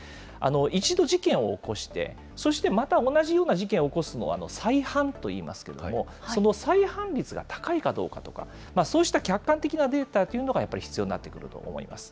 １度、事件を起こして、そしてまた同じような事件を起こすのは再犯といいますけども、その再犯率が高いかどうかとか、そうした客観的なデータというのがやっぱり、必要になってくると思います。